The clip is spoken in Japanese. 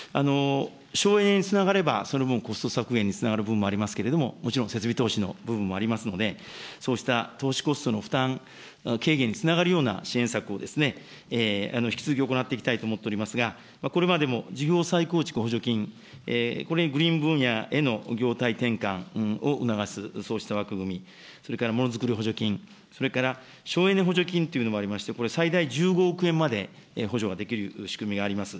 省エネにつながれば、その分コスト削減につながる分もありますけれども、もちろん設備投資の部分もありますので、そうした投資コストの負担軽減につながるような支援策を引き続き行っていきたいと思っておりますが、これまでも事業再構築補助金、これにグリーン分野への業態転換を促す、そうした枠組み、それからものづくり補助金、それから省エネ補助金というのもありまして、これ、最大１５億円まで補助ができる仕組みがあります。